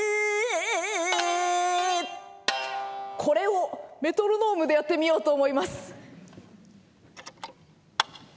これをメトロノームでやってみようと思います。